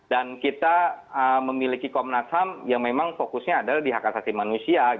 dan kita memiliki komnas ham yang memang fokusnya adalah di hak asasi manusia